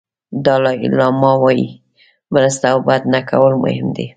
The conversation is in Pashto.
دالای لاما وایي مرسته او بد نه کول مهم دي.